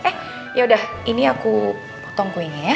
eh yaudah ini aku potong kue nya ya